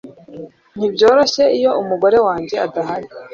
Ntibyoroshye iyo umugore wanjye adahari